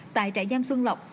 tại trại giam sơn lộc